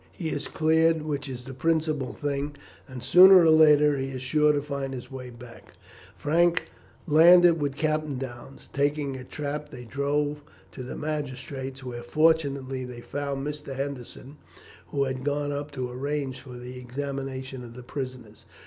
He is cleared, which is the principal thing, and sooner or later he is sure to find his way back again." Frank landed with Captain Downes. Taking a trap they drove to the magistrate's, where fortunately they found Mr. Henderson, who had gone up to arrange for the examination of the prisoners.